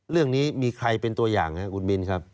เรื่องนี้มีใครเป็นตัวอย่างครับคุณมินครับ